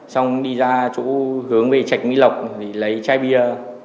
xong đi ra chỗ hướng về trạch mi lộc để lấy chai bia